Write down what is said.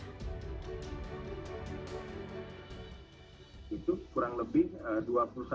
kepala kepala kepala kepala